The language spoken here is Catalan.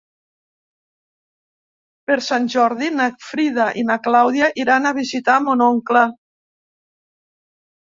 Per Sant Jordi na Frida i na Clàudia iran a visitar mon oncle.